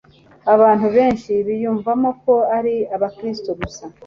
Abantu-- benshi biyumvamo ko ari abakristo gusa,